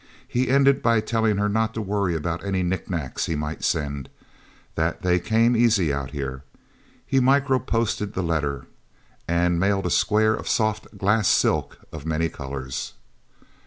He ended by telling her not to worry about any knicknacks he might send that they came easy, out here. He microposted the letter, and mailed a square of soft glass silk of many colors.